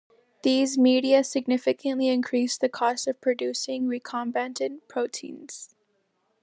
These media significantly increase the cost of producing recombinant proteins.